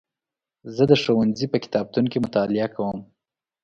زه د ښوونځي په کتابتون کې مطالعه کوم.